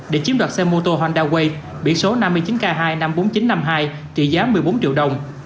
để chiếm đoạt xe mô tô honda way biển số năm mươi chín k hai năm mươi bốn nghìn chín trăm năm mươi hai trị giá một mươi bốn triệu đồng